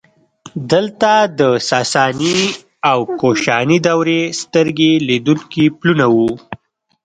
دلته د ساساني او کوشاني دورې سترګې لیدونکي پلونه وو